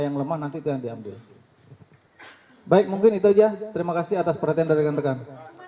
yang lemah nanti diambil baik mungkin itu aja terima kasih atas perhatian dari kandang kandang